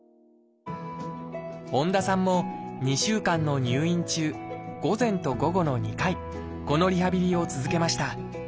本多さんも２週間の入院中午前と午後の２回このリハビリを続けました。